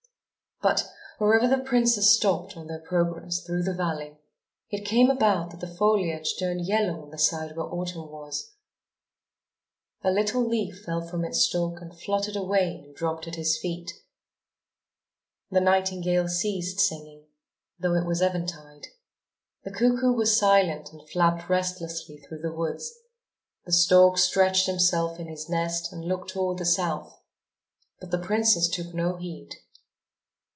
But, wherever the princes stopped on their progress through the valley, it came about that the foliage turned yellow on the side where Autumn was. A little leaf fell from its stalk and fluttered away and dropped at his feet. The nightingale ceased singing, though it was eventide; the cuckoo was silent and flapped restlessly through the woods; the stork stretched himself in his nest and looked toward the South. But the princes took no heed.